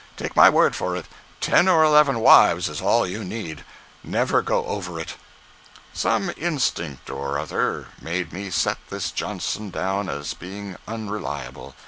Take my word for it, ten or eleven wives is all you need—never go over it." Some instinct or other made me set this Johnson down as being unreliable.